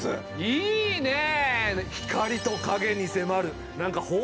いいねえ！